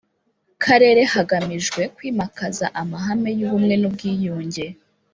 Karere hagamijwe kwimakaza amahame y ubumwe n ubwiyunge